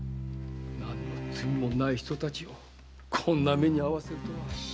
罪もない人たちをこんな目にあわせるとは。